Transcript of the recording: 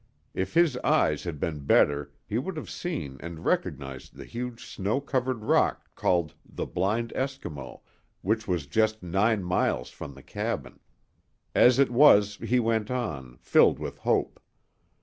If his eyes had been better he would have seen and recognized the huge snow covered rock called the Blind Eskimo, which was just nine miles from the cabin. As it was, he went on, filled with hope.